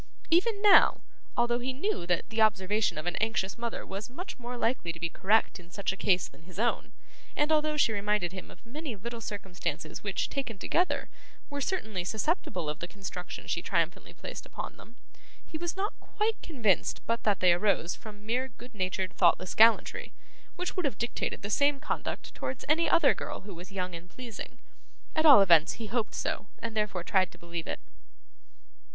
Even now, although he knew that the observation of an anxious mother was much more likely to be correct in such a case than his own, and although she reminded him of many little circumstances which, taken together, were certainly susceptible of the construction she triumphantly put upon them, he was not quite convinced but that they arose from mere good natured thoughtless gallantry, which would have dictated the same conduct towards any other girl who was young and pleasing. At all events, he hoped so, and therefore tried to believe it.